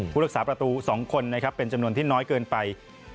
ผู้รักษาประตู๒คนนะครับเป็นจำนวนที่น้อยเกินไป